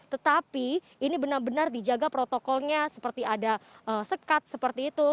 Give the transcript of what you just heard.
tetapi ini benar benar dijaga protokolnya seperti ada sekat seperti itu